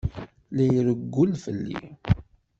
La irewwel fell-i.